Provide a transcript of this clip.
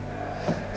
jangan masuk an